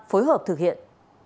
phối hợp thực hiện